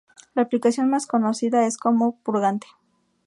La aplicación más conocida es como purgante.